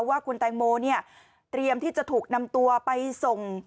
ว่าคุณแตงโมเนี่ยเตรียมที่จะถูกนำตัวไปส่ง